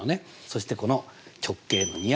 そしてこの直径の２Ｒ。